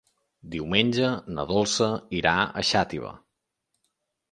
Diumenge na Dolça irà a Xàtiva.